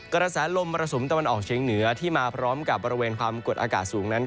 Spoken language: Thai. กระแสลมมรสุมตะวันออกเชียงเหนือที่มาพร้อมกับบริเวณความกดอากาศสูงนั้น